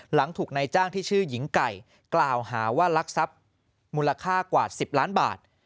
หลังถูกนายจ้างที่ชื่อหญิงไก่กล่าวหาว่ารักทรัพย์มูลค่ากว่า๑๐ล้านบาท